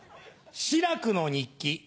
志らくの日記。